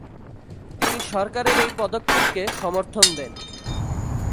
তিনি সরকারের এই পদক্ষেপকে সমর্থন দেন।